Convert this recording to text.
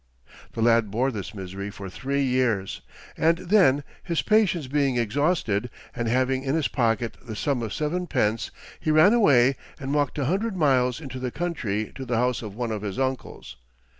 The lad bore this misery for three years, and then his patience being exhausted, and having in his pocket the sum of seven pence, he ran away and walked a hundred miles into the country to the house of one of his uncles.